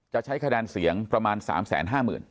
จะใช้คะแดนเสียงประมาณ๓๕หมื่น